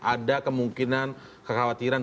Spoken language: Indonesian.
ada kemungkinan kekhawatiran